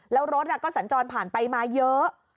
แล้วรถก็สัญจรผ่านไปมาเยอะ